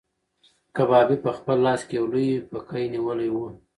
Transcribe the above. کبابي په خپل لاس کې یو لوی پکی نیولی و.